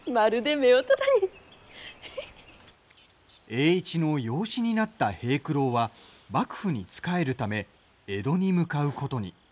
栄一の養子になった平九郎は幕府に仕えるため江戸に向かうことに。